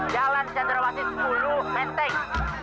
jalan centrawasi sepuluh menteng